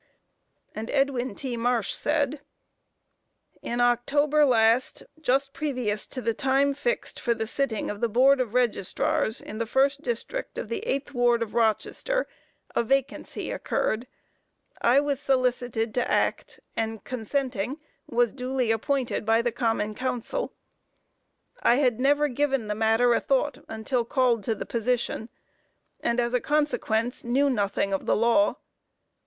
And Edwin T. Marsh said: "In October last, just previous to the time fixed for the sitting of the Board of Registrars in the first district of the eighth ward of Rochester, a vacancy occurred. I was solicited to act, and consenting, was duly appointed by the Common council. "I had never given the matter a thought until called to the position, and as a consequence knew nothing of the law.